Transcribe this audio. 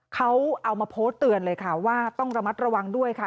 เขาเอามาโพสต์เตือนเลยค่ะว่าต้องระมัดระวังด้วยค่ะ